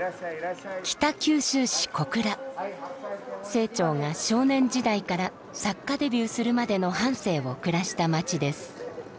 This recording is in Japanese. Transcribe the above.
清張が少年時代から作家デビューするまでの半生を暮らした町です。